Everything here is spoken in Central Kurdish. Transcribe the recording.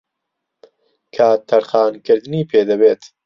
کات تەرخانکردنی پێدەوێت